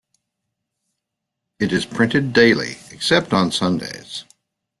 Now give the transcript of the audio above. It is printed daily, except on Sundays.